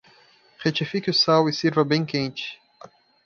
Retifique o sal e sirva bem quente.